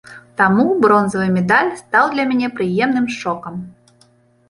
Таму бронзавы медаль стаў для мяне прыемным шокам.